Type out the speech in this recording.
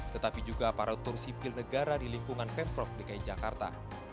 tetapi juga aparatur sipil negara di lingkungan pemprov dki jakarta